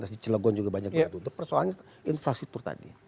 di cilegon juga banyak banget tutup persoalannya infrastruktur tadi